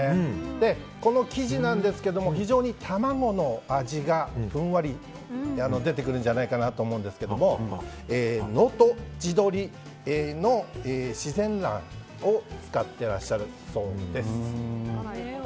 この生地なんですが、卵の味がふんわり出てくるんじゃないかなと思うんですが能登地どりの自然卵を使っていらっしゃるそうです。